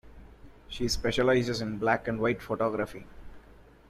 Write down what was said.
She specialises in black-and-white photography.